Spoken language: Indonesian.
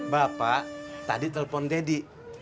bapak tadi telepon daddy